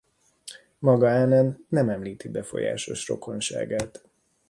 Maga Anen nem említi befolyásos rokonságát.